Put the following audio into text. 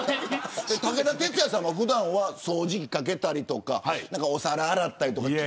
武田鉄矢さんは普段は掃除機かけたりとかお皿洗ったりとか。